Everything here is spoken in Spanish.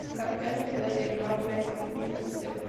La capital es la ciudad de Novhorod-Siversky.